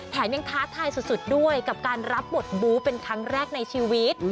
ยังท้าทายสุดด้วยกับการรับบทบู๊เป็นครั้งแรกในชีวิต